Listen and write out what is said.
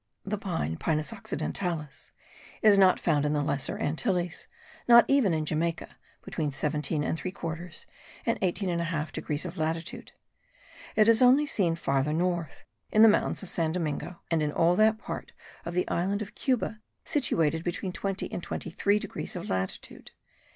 The pine (Pinus occidentalis) is not found in the Lesser Antilles; not even in Jamaica (between 17 3/4 and 18 1/2 degrees of latitude). It is only seen further north, in the mountains of San Domingo, and in all that part of the island of Cuba situated between 20 and 23 degrees of latitude.